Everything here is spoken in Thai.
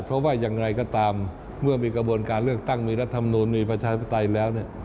เพราะว่ายังไงก็ตามเมื่อมีกระบวนการเลือกตั้งมีรัฐธรรมนุนมีประชาชนภาษาศัตริย์แล้ว